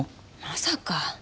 まさか！